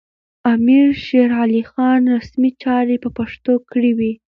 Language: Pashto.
امیر شېرعلي خان رسمي چارې په پښتو کړې وې.